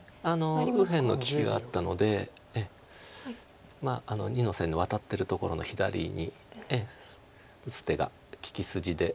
右辺の利きがあったので２の線のワタってるところの左に打つ手が利き筋で。